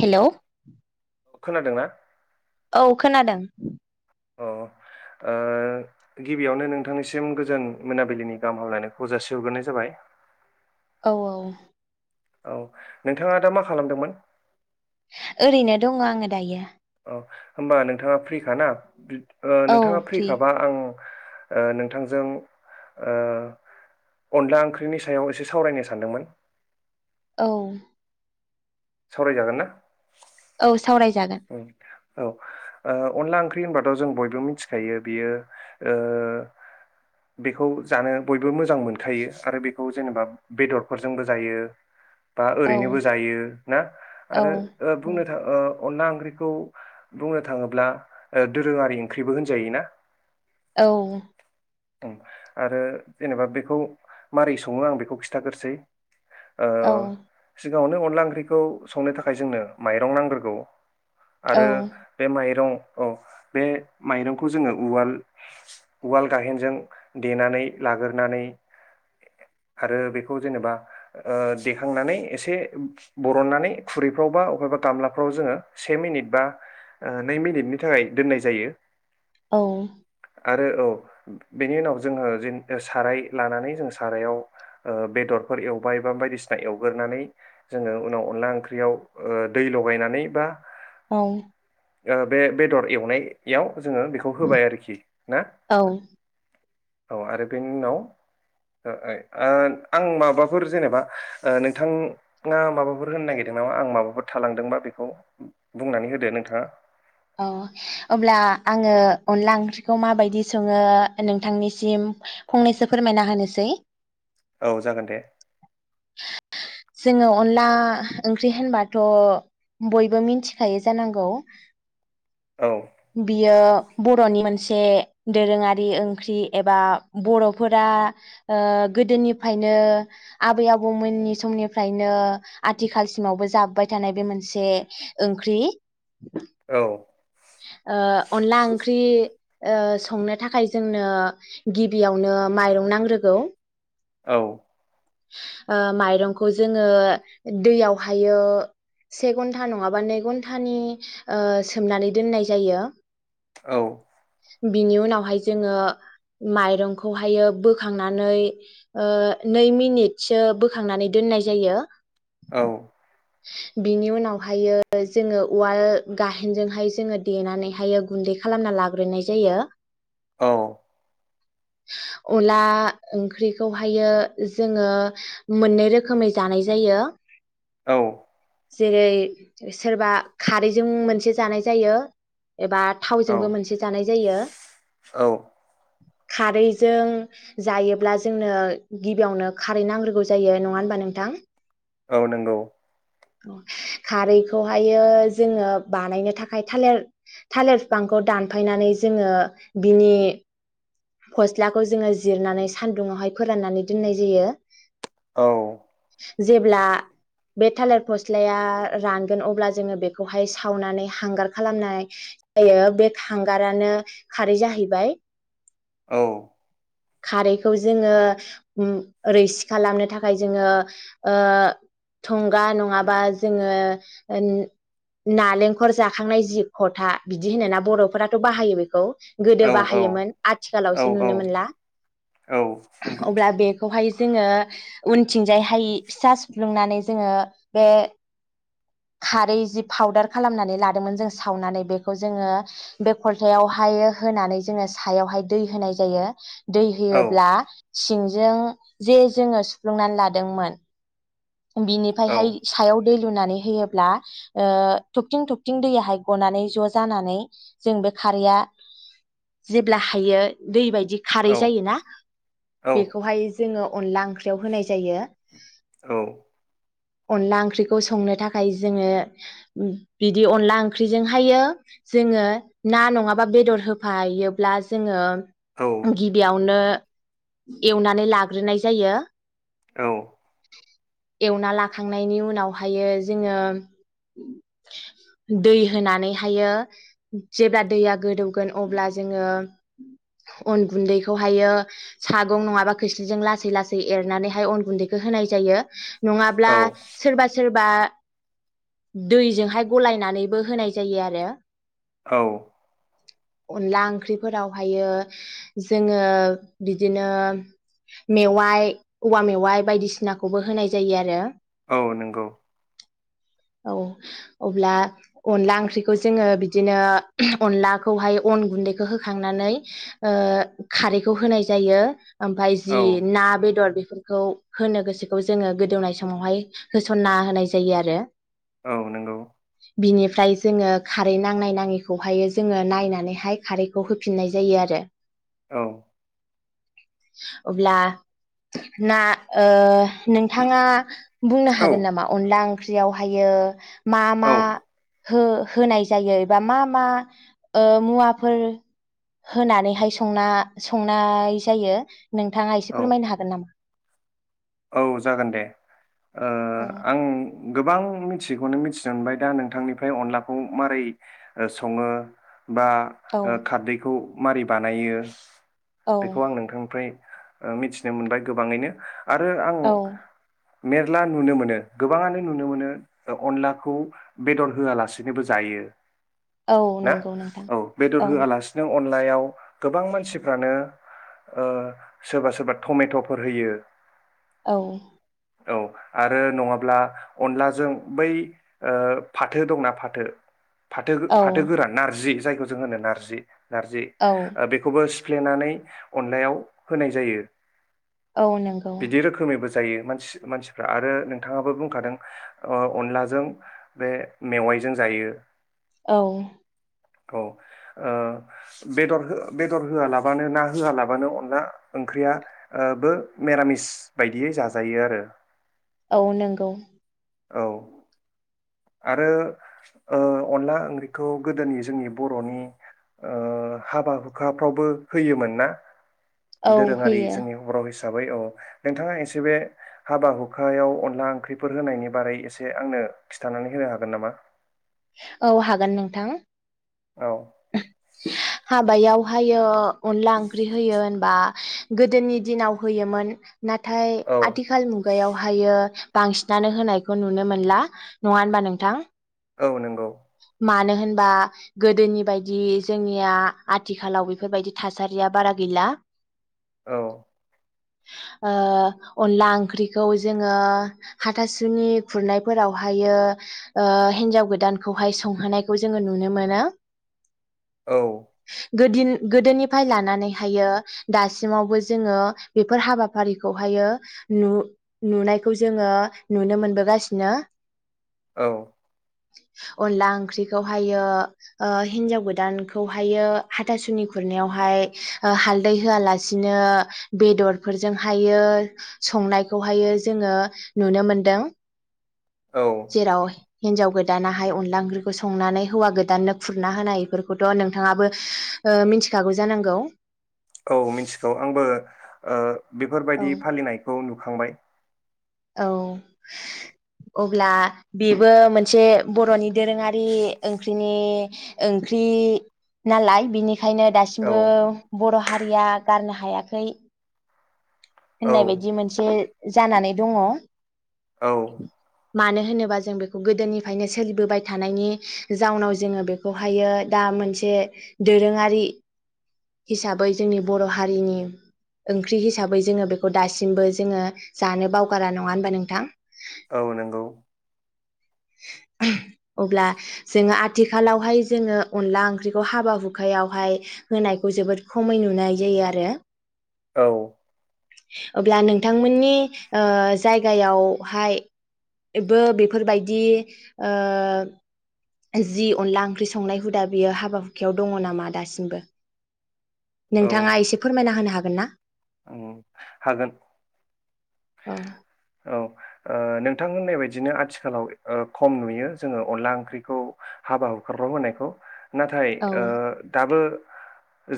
हेल' खोनादोंना? औ खोनादों। अ ओ गिबियावनो नोंथांनिसिम गोजोन मोनाबिलिनि गाहाम हामलायनायखौ जासिहरग्रोनाय जाबाय। औ औ औ नोंथाङा दा मा खालामदोंमोन? ओरैनो दङ आङो दायो। औ होमबा नोंथाङा फ्रिखाना? ओ औ नोंथाङा फ्रि फ्रिखाबा आं ओ नोंथांजों ओ अनला ओंख्रिनि सायाव एसे सावरायनो सानदोंमोन। औ सावरायजागोन ना? औ सावरायजागोन। उम औ ओ अनला ओंख्रि होनबाथ' जों बयबो मिथिखायो बियो ओ बेखौ जानो बयबो मोजां मोनखायो आरो बेखौ जेनेबा बेदरफोरजोंबो जायो। बा औ ओरैनोबो जायो ना औ आरो औ बुंनो थाङो ओ अनला ओंख्रिखौ बुंनो थाङोब्ला ओ दोरोङारि ओंख्रिबो होनजायो ना? औ ओम आरो जेनेबा बेखौ मारै सङो आं बेखौ खिन्थागोरोसै ओ औ सि गाङावनो अनला ओंख्रिखौ संनो थाखाय जोंनो माइरं नांग्रोगौ औ आरो बे माइरं औ बे माइरंखौ जोङो उवाल उवाल गाहेनजों देनानै लागोरानै आरो बेखौ जेनेबा ओ देखांनानै एसे बरननानै खुरैफ्राव बा बबेबा गामलाफ्राव जोङो से मिनिट बा नै मिनिटनि थाखाय दोननाय जायो। औ आरो औ बेनि उनाव जोङो जेन साराय लानानै जों सारायाव ओ बेदरफोर एवबाय बा बायदिसिना एवगोरानै जोङो उनाव अनला ओंख्रियाव ओ दै लगायनानै बा औ ओ बे बेदर एवनायाव जोङो बेखौ होबाय आरोखि ना? औ औ आरो बेनि उनाव ओ आं माबाफोर जेनेबा नोंथाङा माबाफोर होनो नागिरदों नामा आं माबाफोर थालांदोंबा बेखौ बुंनानै होदो नोंथाङा औ अब्ला आङो अनला ओंख्रिखौ माबादि सङो नोंथांनिसिम फंनैसो फोरमायना होनोसै औ जागोन दे जोङो अनला ओंख्रि होनबाथ' बयबो मिथिखायो जानांगौ। औ बियो बर'नि मोनसे दोरोङारि ओंख्रि एबा बर'फोरा ओ गोदोनिफ्रायनो आबै आबौमोननि समनिफ्रायनो आथिखालसिमावबो जाबोबाय थानाय बे मोनसे ओंख्रि औ ओ अनला ओंख्रि ओ संनो थाखाय जोंनो गिबियावनो माइरं नांग्रोगौ औ ओ माइरंखौ जोङो दैयावहायो से घन्टा नङाबा नै घन्टानि ओ सोमनानै दोननाय जायो, औ बिनि उनावहाय जोङो माइरंखौहायो बोखांनानै ओ नै मिनिटसो बोखांनानै दोननाय जायो, औ बिनि उनावहायो जोङो उवाल गाइहेनजोंहाय जोङो देनानैहायो गुन्दै खालामना लाग्रोनाय जायो औ अनला ओंख्रिखौहायो जोङो मोननै रोखोमै जानाय जायो औ जेरै सोरबा खारैजों मोनसे जानाय जायो । एबा औ थावजोंबो मोनसे जानाय जायो औ । खारैजों जायोब्ला जोंनो गिबियावनो खारै नांग्रोगौ जायो नङा होनबा नोंथां? औ नंगौ । खारैखौहायो जोङो बानायनो थाखाय थालेर थालेर फिफांखौ दानफायनानै जोङो बिनि फस्लाखौ जोङो जिरनानै सानदुङावहाय फोराननानै दोननाय जायो । औ जेब्ला बे थालिर फस्लाया रानगोन अब्ला जोङो बेखौहाय सावनानै हांगार खालामनाय जायो बे हांगारानो खारै जाहैबाय ‌। औ खारैखौ जोङो रैसि खालामनो थाखाय जोङो ओ थं खुगा नङाबा जोङो नालेंखर जाखांनाय जि खलथा बिदि होनोना बर'फोराथ' बाहायो बेखौ गोदो औ बाहायोमोन औ आथिखालावसो नुनो मोनला, औ नंगौ अब्ला बेखौहाय जोङो उनथिंजाय हाय फिसा सु्फलुंनानै जोङो बे खारै जि फाउदार खालामनानै लादोंमोन जों सावनानै बेखौ जोङो बे खलथायावहाय होनानै जोङो सायावहाय दै होनाय जायो । दै होयोब्ला सिंजों जे जोङो सुफ्लुंनानै लादोंमोन । बिनिफ्रायहाय सायाव दै लुनानै होयोब्ला ओ थबथिं थबथिं दैयाहाय गनानै ज' जानानै जों बे खारैया जेब्ला बायो दै बायदि बि खारै जायोना औ बेखौहाय जोङो अनला ओंख्रियाव होनाय जायो । अनला ओंख्रिखौ संनो थाखाय जोङो बिदि अनला ओंख्रिजोंहायो जोङो ना नङाबा बेदर होफायोब्ला जोङो औ गिबियावनो एवनानै लाग्रोनाय जायो । औ [inaudible] एवना लाखांनायनि उनावहायो जोङो दै होनानैहायो जेब्ला दैया गोदौगोन अब्ला जोङो अन गुन्दैखौहायो सागं नङाबा खोस्लिजों लासै लासै एरनानैहाय अन गुन्दैखौ होनाय जायो । नङाब्ला औ सोरबा सोरबा दैजोंहाय गलायनानैबो होनाय जायो आरो । औ अनला ओंख्रिफोरावहायो जोङो बिदिनो मेवाइ औवा मेवाइ बायदिसिनाखौबो होनाय जायो आरो। औ नोंगौ। औ अब्ला अनला ओंख्रिखो जोंङो बिदिनो अनलाखौहाय अन गुन्दैखो होखांनानै ओ खारैखौ होनाय जायो। ओमफाय औ जि ना बेदर बिब खौ होनो गोसोखौ जोंङो गोदौनाय समावहाय होसन्ना होनाय जायो आरो। औ नोंगौ। बिनिफ्राय जोंङो खारै नांनाय नाङैखौहायो जोंङो नायनानैहाय खारैखौ होफिननाय जायो आरो। औ। अब्ला ना ओ। नोंथाङा बुंनो औ हागोन नामा? अनला ओंग ख्रियाव हायो मा औ मा हो-होनाय जायो एबा मा मा ओ मुवाफोर होनानैहाय संना संनाय जायो। श? नोंथांङा एसि औ फोरमायनो हागोन नामा? औ जागोन दे। ओ औ आं गोबां मिथिखौनो मिथिनो मोनबाय दा नोंथांनिफ्राय अनलाखौ मारै ओ सङो बा औ ओ खारदैखौ मारै बानायो औ बेखौ आं नोंथांनिफ्राय ओ मिथिनो मोनबाय गोबाङैनो। आरो आं औ मेरला नुनो मोनो गोबाङानो नुनो मोनो ओ अनलाखौ बेदर होआलासिनोबो जायो। औ ना नंगौ नोंथां औ बेदर औ होआलासिनो अनला मायाव गोबां मानसिफ्रानो ओ सोरबा सोरबा थमेट'फोर होयो। औ। औ आरो नङाब्ला अनलाजों बै ओ फाथो दंना फाथो । फाथो औ फाथो गोरान नारजि। जायखौ जों होनो नारजि। नारजि औ ओ बेखौबो सि फ्लेनानै अनलायाव होनाय जायो। औ नोंगौ । बिदि रोखोमैबोज जायो, मानसि मानसिफोरा आरो नोंथांङाबो बुंखादों ओ अनलाजों बे मेवायजों जायो। औ। औ ओ बेदर बेदर होआलाबानो ना होआलाबानो अनला ओंख्रिया ओबो मिरामिस बायदियै जाजायो आरो। औ नंगौ औ आरो ओ अनला ओंख्रिखौ गोदोनि जोंनि बर'नि ओ हाबा हुखाफ्रावबो होयोमोन ना? औ दोरोङारि होयो जोंनि बर' हिसाब हिसाबै औ नोंथाङा एसे बे हाबा हुखायाव अनला ओंख्रिफोर होनायनि बारै एसे आंनो खि थानानै होनो हागोन नामा? औ हागोन नोंथां । औ हाबायाव ओमफायो ओ अनला ओंख्रि होयो होनबा गोदोनि दिनाव होयोमोन । नाथाय औ आथिखाल मुगायावहायो बांसिनानो होनायखौ नुनो मोनला नङा होनबा नोंथां औ नंगौ मानो होनबा गोदोनि बायदि जोंनिया आथिखालाव बेफोरबायदि थासारिया बारा गैला औ ओ अनला ओंख्रिखौ जोङो हाथासुनि खुरनायफोरावहायो ओ हिनजाव गोदानखौहाय संहोनायखौ जोङो नुनो मोनो। औ गोदिन गोदोनिफ्राय लानानैहायो दासिमावबो जोङो बेफोर हाबाफारिखौहायो नु नुनायखौ जोङो नुनो मोनबोगासिनो औ अनला ओंख्रिखौहायो ओ हिनजाव गोदानखौहायो हाथासुनि खुरनायावहाय ओ हालदै होआलासिनो बेदरफोरजोंहायो संनायखौहायो जोङो नुनो मोनदों। औ जेराव हिनजाव गोदानाहाय अनला ओंख्रिखौ संनानै हौवा गोदाननो खुरना होनायफोरखौथ' नोंथाङाबो ओ मिथिखागौ जानांगौ औ मिथिगौ आंबो ओ बेफोरबायदि फालिनायखौ नुखांबाय औ अब्ला बेबो मोनसे बर'नि दोरोङारि ओंख्रिनि ओंख्रि नालाय बिनि खायनो औ दासिमबो बर' हारि या गारनो हायाखै औ होननाय बायदि मोनसे जानानै दङ। औ मानो होनोबा जों बेखौ गोदोनिफ्रायनो सोलिबोबाय थानायनि जाउनाव जोङो बेखौहायो दा मोनसे दोरोङारि हिसाबै जोंनि बर' हारिनि ओं ओंख्रि हिसाबै जोङो बेखौ दासिमबो जोङो जानो बावगारा नङा होनबा नोंथां औ नंगौ अब्ला जोङो आथिखालावहाय जोङो अनला ओंख्रिखौ हाबा हुखायावहाय होनायखौ जोबोद खमै नुनाय जायो आरो औ अब्ला नोंथांमोननि ओ जायगायावहायबो बेफोरबाय दि ओ जि अनला ओंख्रि संनाय हुदा बियो हाबा हुखायाव दङ नामा दासिमबो? नोंथाङा एसे फोरमायना होनो हा गोन ना ओम हागोन औ औ ओ नोंथां होननाय बायदिनो आथिखालाव ओ खम नुयो जोङो अनला ओंख्रिखौ हाबा हुखारफ्राव होनायखौ नाथाय औ ओ दाबो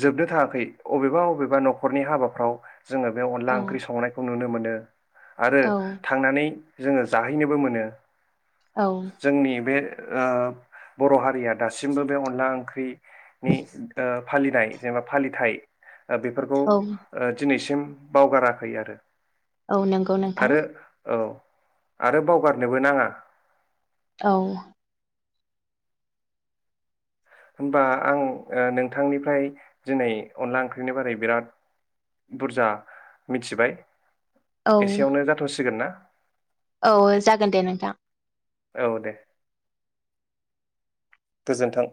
जोबनो थाङाखै अबेबा अबेबा न'खरनि हाबाफ्राव जोङो बे अनला औ ओंख्रि संनायखौ नुनो मोनो ओ आरो औ थांनानै जोङो जाहैनोबो मोनो औ जोंनि बे ओ बर' हारिया दासिमबो बे अनला ओंख्रि नि ओ फालिनाय जेनेबा फालिथाय ओ बेफोरखौ औ ओ दिनैसिम बावगाराखै आरो । औ नंगौ नोंथां । आरो बावगारनोबो नाङा । औ होनबा आं ओ नोंथांनिफ्राय दिनै अनला ओंख्रिनि बारै बिराद बुरजा मिथिबाय औ । एसेयावनो जाथ'सिगोन ना? [inaudible] औ जागोन दे नोंथां । औ दे गोजोनथों